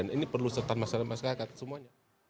dan ini perlu serta masyarakat semuanya